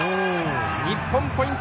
日本、ポイント。